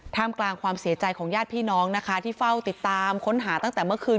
กลางความเสียใจของญาติพี่น้องนะคะที่เฝ้าติดตามค้นหาตั้งแต่เมื่อคืน